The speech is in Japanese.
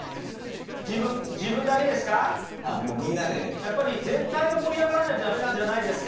やっぱり全体が盛り上がらないと駄目なんじゃないですか？